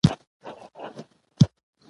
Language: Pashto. باسواده نجونې د بیرغ درناوی کوي.